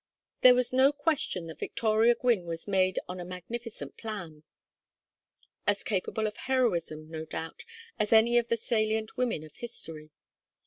There was no question that Victoria Gwynne was made on a magnificent plan, as capable of heroism, no doubt, as any of the salient women of history.